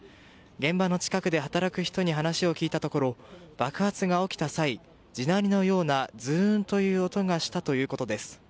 現場の近くで働く人に話を聞いたところ爆発が起きた際、地鳴りのようなズーンという音がしたということです。